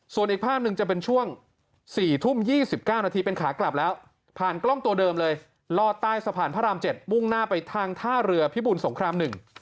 ส่วนอีกภาพหนึ่งจะเป็นช่วง๔ทุ่ม๒๙นาทีเป็นขากลับแล้วผ่านกล้องตัวเดิมเลยลอดใต้สะพานพระราม๗มุ่งหน้าไปทางท่าเรือพิบูรสงคราม๑